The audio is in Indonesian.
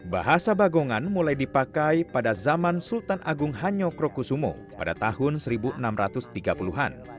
bahasa bagongan mulai dipakai pada zaman sultan agung hanyokrokusumo pada tahun seribu enam ratus tiga puluh an